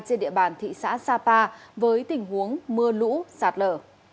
trên địa bàn thị xã sapa với tình huống mưa lũ sạt lở